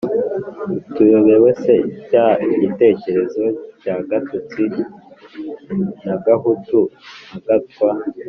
tuyobewe se cya gitekerezo cya gatutsi na gahutu, na gatwa?